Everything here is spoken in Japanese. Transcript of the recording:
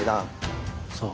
そう。